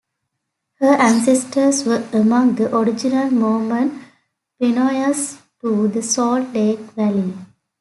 Her ancestors were among the original Mormon pioneers to the Salt Lake Valley.